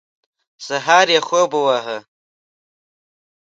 سهار یې خوب وواهه.